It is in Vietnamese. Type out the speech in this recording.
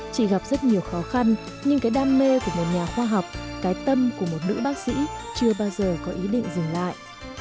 chỉ gặp rất nhiều khó khăn nhưng cái đam mê của một nhà khoa học cái tâm của một nữ bác sĩ chưa bao giờ có ý định dừng lại